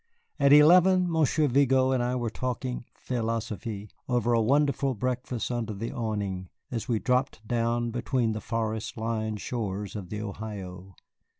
At eleven, Monsieur Vigo and I were talking "philosophe" over a wonderful breakfast under the awning, as we dropped down between the forest lined shores of the Ohio.